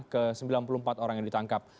ke sembilan puluh empat orang yang ditangkap